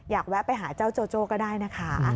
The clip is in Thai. แวะไปหาเจ้าโจโจ้ก็ได้นะคะ